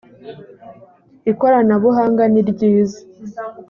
ikoranabuhanga niryiza.